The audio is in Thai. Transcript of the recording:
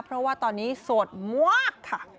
เพราะว่าตอนนี้โสดมากค่ะ